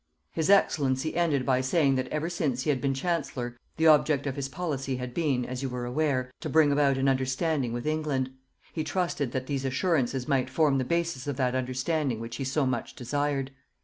His Excellency ended by saying that ever since he had been Chancellor the object of his policy had been, as you were aware, to bring about an understanding with England; he trusted that these assurances might form the basis of that understanding which he so much desired.